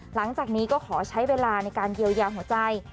หลังจากนี้ก็ขอใช้เวลาในการเยียวยาหัวใจ